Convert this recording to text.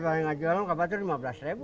wah kalau gak jual kapan itu lima belas ribu